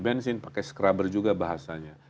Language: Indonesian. bensin pakai scrubber juga bahasanya